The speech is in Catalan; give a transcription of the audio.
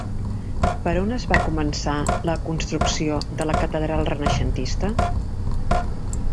Per on es va començar la construcció de la catedral renaixentista?